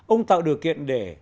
ông tạo điều kiện để